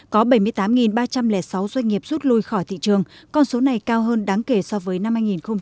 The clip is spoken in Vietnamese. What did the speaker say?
có bảy mươi tám ba trăm linh sáu doanh nghiệp rút lui khỏi thị trường con số này cao hơn đáng kể so với năm hai nghìn một mươi tám